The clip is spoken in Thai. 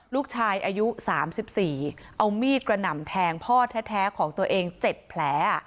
ลูกชายอายุ๓๔เอามีดกระหน่ำแทงพ่อแท้ของตัวเอง๗แผล